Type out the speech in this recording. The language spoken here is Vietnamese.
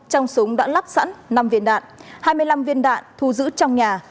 trong súng đã lắp sẵn năm viên đạn hai mươi năm viên đạn thu giữ trong nhà